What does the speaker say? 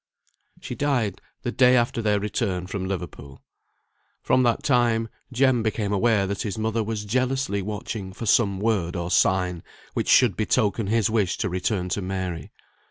She died the day after their return from Liverpool. From that time, Jem became aware that his mother was jealously watching for some word or sign which should betoken his wish to return to Mary.